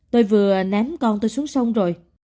tôi vừa ném con tôi xuống sông rồi